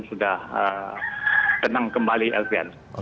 sudah tenang kembali elvian